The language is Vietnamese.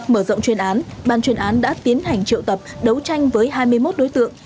mở rộng chuyên án ban chuyên án đã tiến hành triệu tập đấu tranh với hai mươi một đối tượng